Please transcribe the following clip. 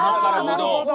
なるほど。